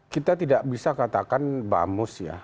kita tidak bisa katakan bamus ya